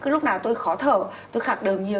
lúc nào tôi khó thở tôi khạc đờm nhiều